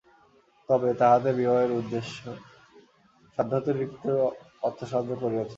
তবে, তাহাদের বিবাহের উদ্দেশে সাধ্যাতিরিক্ত অর্থসাহায্য করিয়াছিলেন।